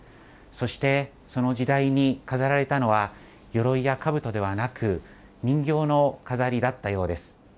そして、その時代に飾られたのは、よろいやかぶとではなく、人形の飾りだったようです。